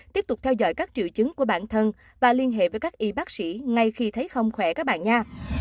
tiếp tục theo dõi các triệu chứng của bản thân và liên hệ với các y bác sĩ ngay khi thấy không khỏe các bạn nha